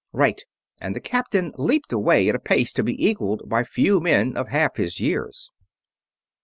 "Right," and the captain leaped away at a pace to be equalled by few men of half his years.